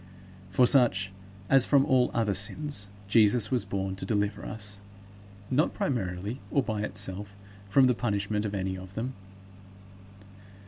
From such, as from all other sins, Jesus was born to deliver us; not, primarily, or by itself, from the punishment of any of them.